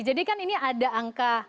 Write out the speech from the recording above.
jadi kan ini ada angka